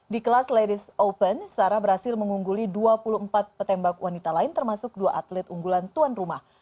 di kelas ladies open sarah berhasil mengungguli dua puluh empat petembak wanita lain termasuk dua atlet unggulan tuan rumah